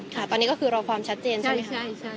ค่ะตอนนี้ก็คือรอความชัดเจนใช่ไหมคะ